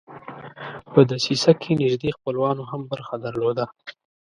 په دسیسه کې نیژدې خپلوانو هم برخه درلوده.